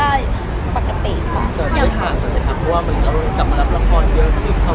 มันเกิดใช้ข่าวตัวเองค่ะเพราะว่ามันก็กลับมารับละครเยอะ